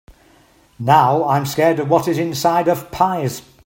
Now, I’m scared of what is inside of pies.